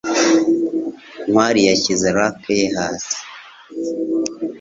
Ntwali yashyize racket ye hasi.